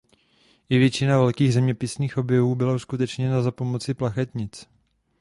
I většina velkých zeměpisných objevů byla uskutečněna za pomoci plachetnic.